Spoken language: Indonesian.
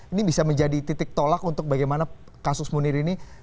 ini bisa menjadi titik tolak untuk bagaimana kasus munir ini